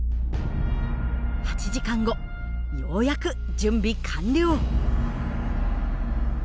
８時間後ようやく準備完了。